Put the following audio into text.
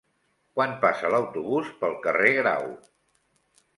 Quan passa l'autobús pel carrer Grau?